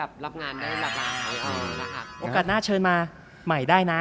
โอกาสหน้าเชิญมาใหม่ได้นะ